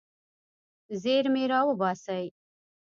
زیرمې راوباسئ.